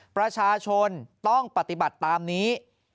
ประชาชนต้องปฏิบัติตามนี้